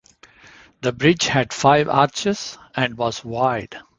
The bridge had five arches, and was wide.